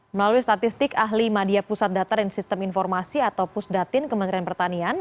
melalui statistik ahli media pusat data dan sistem informasi atau pusdatin kementerian pertanian